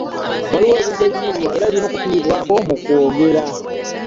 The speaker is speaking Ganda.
Waliwo ebintu ebitunuulirwa era ebirina okufiibwako mu kwogera .